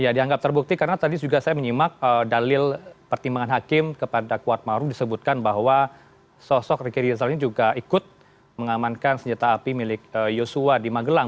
ya dianggap terbukti karena tadi juga saya menyimak dalil pertimbangan hakim kepada kuat maru disebutkan bahwa sosok riki rizal ini juga ikut mengamankan senjata api milik joshua di magelang